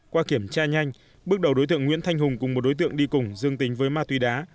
qua kiểm tra nhanh bước đầu đối tượng nguyễn thanh hùng cùng một đối tượng đi cùng dương tính với ma túy đá